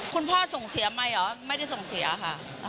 คุณพ่อส่งเสียใหม่เหรอไม่ได้ส่งเสียค่ะ